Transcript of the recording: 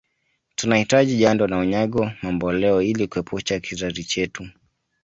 Tunahitaji Jando na Unyago mamboleo Ili kuepusha kizazi chetu